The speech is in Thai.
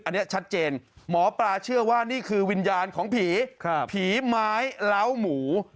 อันนี้ชัดเจนหมอปลาเชื่อว่านี่คือวิญญาณของผีผีไม้เล้าหมู